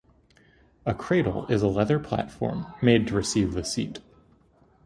A cradle is a leather platform, made to receive the seat.